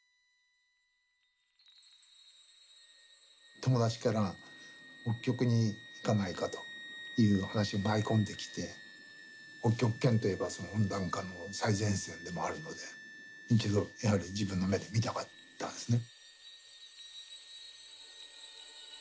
友達から北極に行かないかというお話が舞い込んできて北極圏といえば温暖化の最前線でもあるので一度やはり自分の目で見たかったんですね。